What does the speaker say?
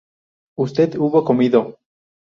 usted hubo comido